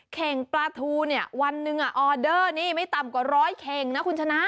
เข่งปลาทูเนี่ยวันหนึ่งออเดอร์นี่ไม่ต่ำกว่าร้อยเข่งนะคุณชนะ